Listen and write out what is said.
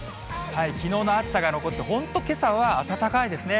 きのうの暑さが残って、本当、けさは暖かいですね。